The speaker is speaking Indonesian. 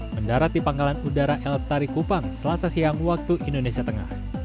mendarat di pangkalan udara el tari kupang selasa siang waktu indonesia tengah